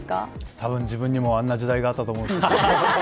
たぶん自分にもこんな時代があったと思います。